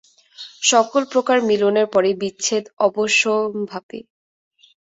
সকল প্রকার মিলনের পরেই বিচ্ছেদ অবশ্যম্ভাবী।